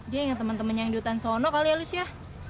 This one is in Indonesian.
dia ingat temen temen yang di hutan sono kali ya lus ya